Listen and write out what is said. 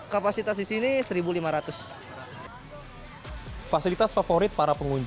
kapasitas di sini satu lima ratus